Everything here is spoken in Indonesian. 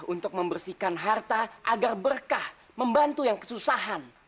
untuk membersihkan harta agar berkah membantu yang kesusahan